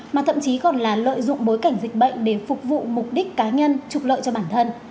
mà thậm chí còn là lợi dụng bối cảnh dịch bệnh để phục vụ mục đích cá nhân trục lợi cho bản thân